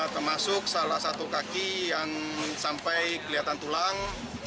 termasuk salah satu kaki yang sampai kelihatan tulang